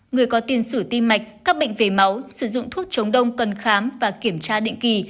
người có tiền sử tim mạch các bệnh về máu sử dụng thuốc chống đông cần khám và kiểm tra định kỳ